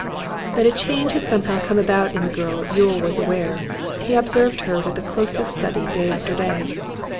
That a change had somehow come about in the girl Yule was aware. He observed her with the closest study day after day.